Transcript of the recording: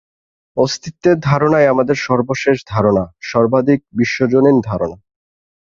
অস্তিত্বের ধারণাই আমাদের সর্বশেষ ধারণা, সর্বাধিক বিশ্বজনীন ধারণা।